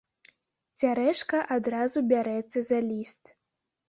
Цярэшка адразу бярэцца за ліст.